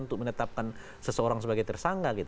untuk menetapkan seseorang sebagai tersangka